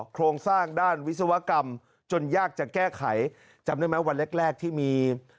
โครงสร้างด้านวิศวกรรมยากจะแก้ไข